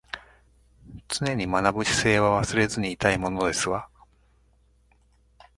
常に学ぶ姿勢は忘れずにいたいものですわ